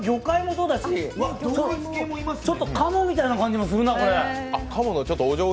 そうだしちょっと鴨みたいな感じもするなあ！